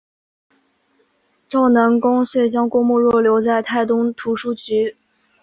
赵南公遂将郭沫若留在泰东图书局。